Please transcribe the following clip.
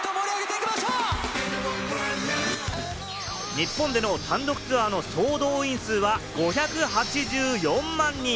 日本での単独ツアーの総動員数は５８４万人。